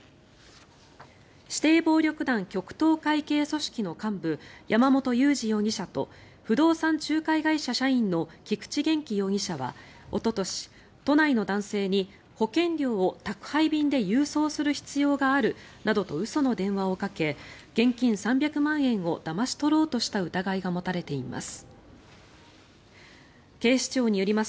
指定暴力団極東会系組織の幹部山本裕二容疑者と不動産仲介会社社員の菊池元気容疑者はおととし、都内の男性に保険料を宅配便で郵送する必要があるなどと嘘の電話をかけ現金３００万円をだまし取ろうとした疑いが持たれています。